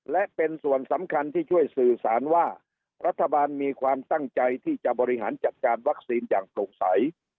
และเป็นส่วนสำคัญที่ช่วยสื่อสารว่ารัฐบาลมีความตั้งใจที่จะบริหารจัดการวัคซีนอย่างโปร่งใส